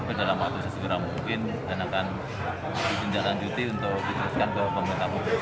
kejelang waktu sesekera mungkin dan akan dijenjakan juti untuk dituliskan ke pemerintah pemerintah